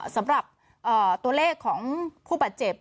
สำหรับตัวเลขของผู้บาดเจ็บ